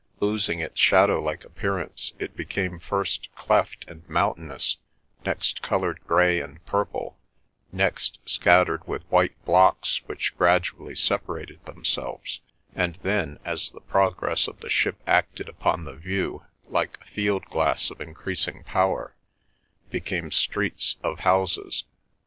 Losing its shadow like appearance it became first cleft and mountainous, next coloured grey and purple, next scattered with white blocks which gradually separated themselves, and then, as the progress of the ship acted upon the view like a field glass of increasing power, became streets of houses.